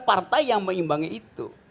partai yang mengimbangi itu